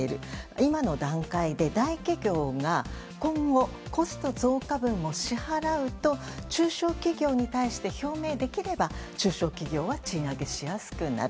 今の段階で大企業が今後、コスト増加分も支払うと、中小企業に対して表明できれば、中小企業は賃上げしやすくなる。